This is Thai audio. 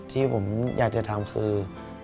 ที่ผมอยากจะทำคือ